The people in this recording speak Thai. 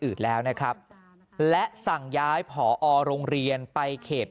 อื่นแล้วนะครับและสั่งย้ายผอโรงเรียนไปเขต